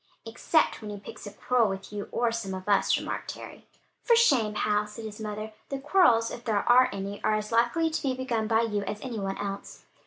"Except when he picks a quarrel with you or some of us," remarked Harry. "For shame, Hal!" said his mother. "The quarrels, if there are any, are as likely to be begun by you, as any one else."